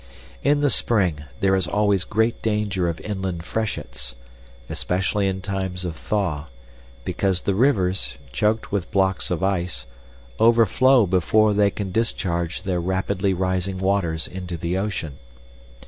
In the spring there is always great danger of inland freshets, especially in times of thaw, because the rivers, choked with blocks of ice, overflow before they can discharge their rapidly rising waters into the ocean.